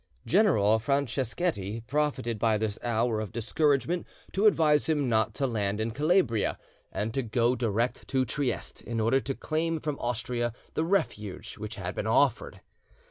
General Franceschetti profited by this hour of discouragement to advise him not to land in Calabria, and to go direct to Trieste, in order to claim from Austria the refuge which had been offered.